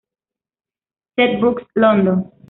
Zed Books, London.